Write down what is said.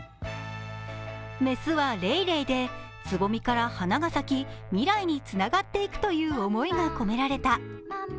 雌はレイレイで、つぼみから美しい花が咲いて未来へつながっていくという思いが込められた。